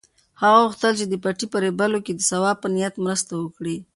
هغه غوښتل چې د پټي په رېبلو کې د ثواب په نیت مرسته وکړي.